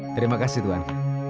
terima kasih tuan